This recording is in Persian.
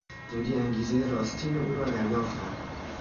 به زودی انگیزهی راستین او را دریافتم.